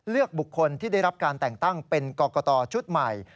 บุคคลที่ได้รับการแต่งตั้งเป็นกรกตชุดใหม่